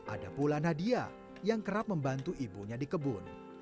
ada pula nadia yang kerap membantu ibunya di kebun